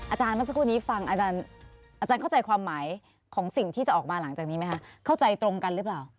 เมื่อสักครู่นี้ฟังอาจารย์เข้าใจความหมายของสิ่งที่จะออกมาหลังจากนี้ไหมคะเข้าใจตรงกันหรือเปล่า